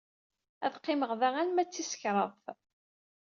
Ad qqimeɣ da arma d tis kraḍt.